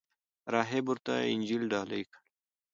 راهب ورته انجیل ډالۍ کړ.